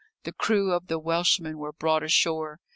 The crew of the Welshman were brought ashore.